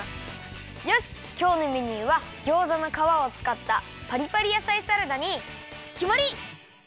よしきょうのメニューはギョーザのかわをつかったパリパリ野菜サラダにきまり！